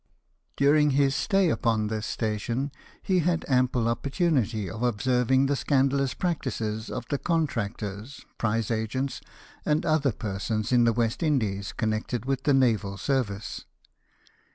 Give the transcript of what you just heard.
During his stay upon this station he had ample opportunity of observing the scandalous practices of 44 LIFE OF IS'ELSON. the contractors, prize agents, and other persons in the West Indies connected with the naval service.